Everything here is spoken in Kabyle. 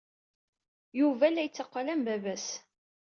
Yuba la yetteqqal am baba-s.